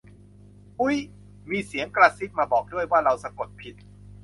อุ๊ย มีเสียงกระซิบมาบอกด้วย ว่าเราสะกดผิด